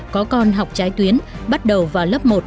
có con học trái tuyến bắt đầu vào lớp một